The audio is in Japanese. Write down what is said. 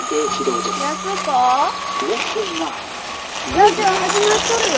ラジオ始まっとるよ。